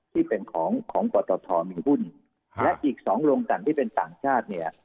ที่เป็นของปตทมีหุ้นและอีก๒โรงกรรมที่เป็นต่างชาติ